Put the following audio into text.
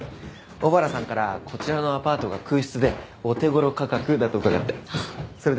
小原さんからこちらのアパートが空室でお手頃価格だと伺ってそれで。